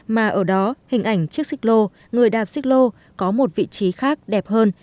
mà ở đó hình ảnh chiếc xích lô người đạp xích lô có một vị trí khác đẹp hơn